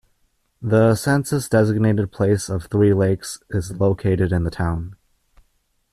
The census-designated place of Three Lakes is located in the town.